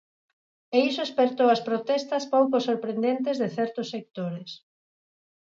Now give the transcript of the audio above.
E iso espertou as protestas pouco sorprendentes de certos sectores.